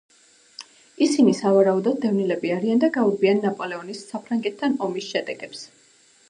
ისინი, სავარაუდოდ, დევნილები არიან და გაურბიან ნაპოლეონის საფრანგეთთან ომის შედეგებს.